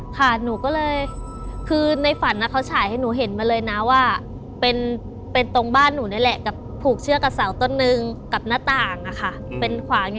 ค่ะหนูก็เลยคือในฝันเขาฉายให้หนูเห็นมาเลยนะว่าเป็นตรงบ้านหนูนี่แหละกับผูกเชือกกับเสาต้นนึงกับหน้าต่างเป็นขวาง